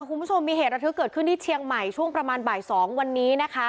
คุณผู้ชมมีเหตุระทึกเกิดขึ้นที่เชียงใหม่ช่วงประมาณบ่าย๒วันนี้นะคะ